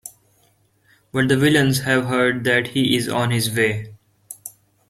But the villains have heard that he is on his way.